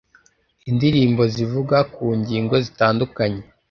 Indirimbo zivuga ku ngingo zitandukanye